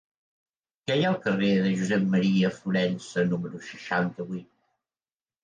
Què hi ha al carrer de Josep M. Florensa número seixanta-vuit?